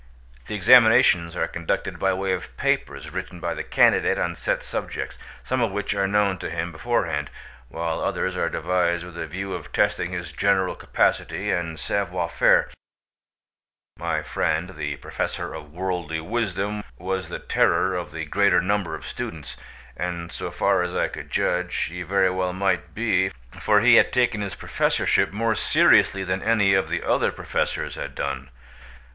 The examinations are conducted by way of papers written by the candidate on set subjects, some of which are known to him beforehand, while others are devised with a view of testing his general capacity and savoir faire. My friend the Professor of Worldly Wisdom was the terror of the greater number of students; and, so far as I could judge, he very well might be, for he had taken his Professorship more seriously than any of the other Professors had done.